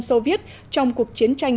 soviet trong cuộc chiến tranh